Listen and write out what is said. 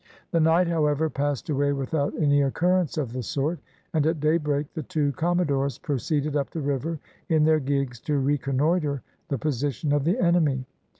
The night, however, passed away without any occurrence of the sort, and at daybreak the two commodores proceeded up the river in their gigs to reconnoitre the position of the enemy.